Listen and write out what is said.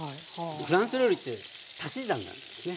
フランス料理って足し算なんですね。